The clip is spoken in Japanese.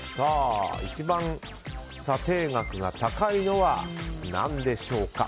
一番、査定額が高いのは何でしょうか。